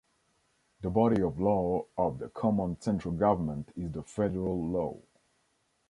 The body of law of the common central government is the federal law.